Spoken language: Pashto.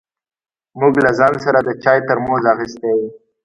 موږ له ځان سره د چای ترموز اخيستی و.